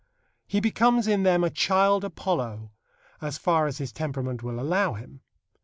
He becomes in them a child Apollo, as far as his temperament will allow him.